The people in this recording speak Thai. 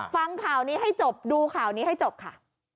ฟังข่าวนี้ให้จบดูข่าวนี้ให้จบค่ะ